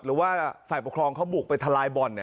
หรือว่าฝ่ายปกครองเขาบุกไปทลายบ่อน